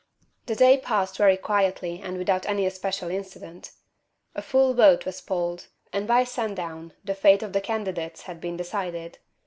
The day passed very quietly and without any especial incident. A full vote was polled, and by sundown the fate of the candidates had been decided.